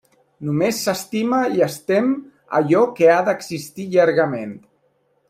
Només s'estima i es tem allò que ha d'existir llargament.